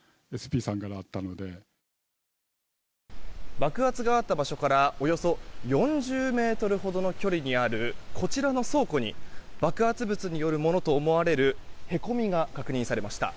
爆発があった場所からおよそ４０ｍほどの距離にあるこちらの倉庫に爆発物によるものと思われるへこみが確認されました。